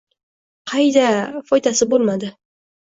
Qayda, foydasi bo‘lmadi.